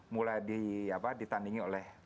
mulai ditandingi oleh